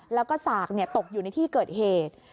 แล้วก็สากตกอยู่ในที่เกิดเหตุ